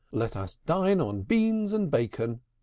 Let us dine on beans and bacon."